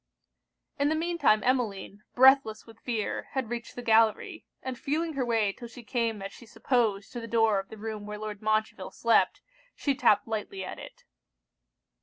In the mean time Emmeline, breathless with fear, had reached the gallery, and feeling her way 'till she came as she supposed to the door of the room where Lord Montreville slept, she tapped lightly at it.